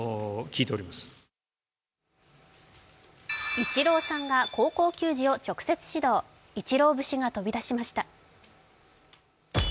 イチローさんが高校球児を直接指導、イチロー節が飛び出しました。